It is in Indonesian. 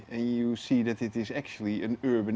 anda melihat bahwa itu sebenarnya area urban